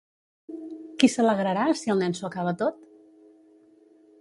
Qui s'alegrarà, si el nen s'ho acaba tot?